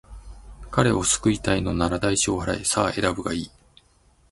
彼を救いたいのなら、代償を払え。さあ、選ぶがいい。